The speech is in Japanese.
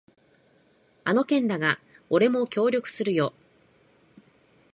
あの件だが、俺も協力するよ。